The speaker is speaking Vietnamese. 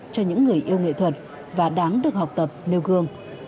cho những người yêu nghệ thuật và đáng được học tập nêu gương